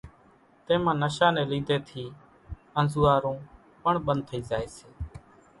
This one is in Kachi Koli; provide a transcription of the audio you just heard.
تيمان نشا ني لِيڌي ٿي انزوئارون پڻ ٻنڌ ٿئي زائي سي